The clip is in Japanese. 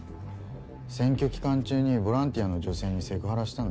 選挙期間中にボランティアの女性にセクハラしたんだってさ。